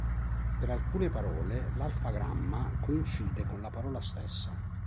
Per alcune parole, l'alfagramma coincide con la parola stessa.